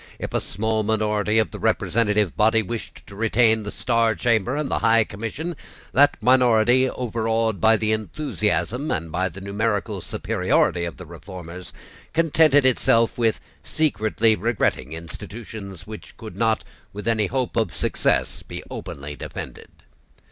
If a small minority of the representative body wished to retain the Star Chamber and the High Commission, that minority, overawed by the enthusiasm and by the numerical superiority of the reformers, contented itself with secretly regretting institutions which could not, with any hope of success, be openly defended.